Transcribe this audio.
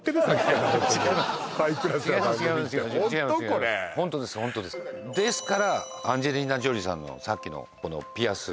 これホントですですからアンジェリーナ・ジョリーさんのさっきのこのピアス